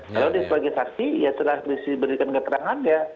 kalau sebagai saksi ya sudah diberikan keterangan ya